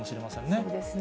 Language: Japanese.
そうですね。